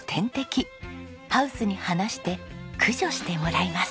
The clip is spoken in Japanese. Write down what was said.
ハウスに放して駆除してもらいます。